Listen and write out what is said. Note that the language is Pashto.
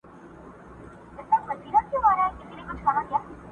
دا د پېړیو توپانونو آزمېیلی وطن؛